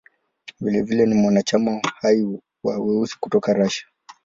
Vilevile ni mwanachama hai wa "Weusi" kutoka Arusha.